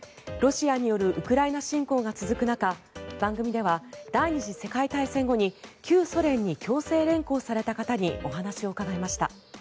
ロシアによるウクライナ侵攻が続く中番組では第２次世界大戦後に旧ソ連に強制連行された方にお話を伺いました。